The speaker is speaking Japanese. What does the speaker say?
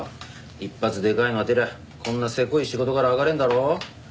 一発でかいの当てりゃこんなせこい仕事からあがれるだろ。